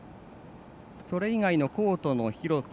それ以外のコートの広さ